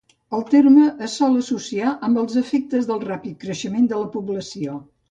El terme es sol associar amb els efectes del ràpid creixement de la població.